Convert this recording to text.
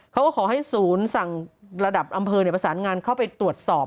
ขอให้ศูนย์สั่งระดับอำเภอประสานงานเข้าไปตรวจสอบ